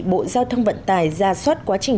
bộ giao thông vận tải ra soát quá trình